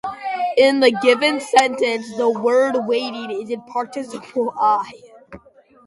In the given sentence, the word "waiting" is a participle I.